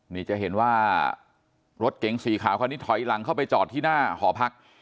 นี่จะเห็นว่ารถเก๋งสีขาวคันนี้ถอยหลังเข้าไปจอดที่หน้าหอพัก